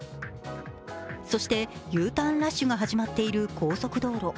そしてＵターンラッシュが始まっている高速道路。